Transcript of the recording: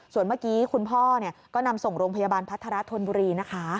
ส่วนเมื่อกี้คุณพ่อก็นำส่งโรงพยาบาลพัฒระธนบุรีนะคะ